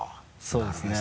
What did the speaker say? そうですね。